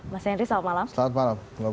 mas henry selamat malam